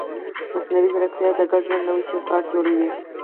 مصنوعي ځیرکتیا د ګډ ژوند نوی چوکاټ جوړوي.